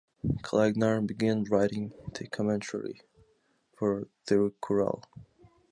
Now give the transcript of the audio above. Kalaignar began writing the commentary for Thirukkural.